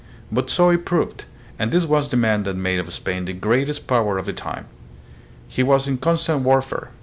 But so it proved, and this was the man that made of Spain the greatest power of the time. He was in constant warfare.